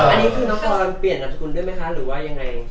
อันนี้คือน้องคอลเปลี่ยนกับคุณได้ไหมคะหรือยังไง